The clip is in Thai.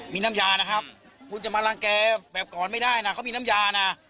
มีน้ำยานะครับคุณจะมารังแก่แบบก่อนไม่ได้นะเขามีน้ำยานะ